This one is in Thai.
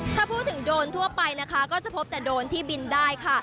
ถ้าพูดถึงโดรนทั่วไปนะคะก็จะพบแต่โดนที่บินได้ค่ะ